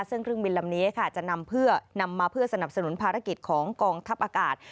ซึ่งเครื่องบินลำนี้ค่ะจะนำเพื่อนำมาเพื่อสนับสนุนภารกิจของกองทัพอากาศ